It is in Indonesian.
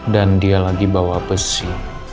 dan dia lagi bawa besi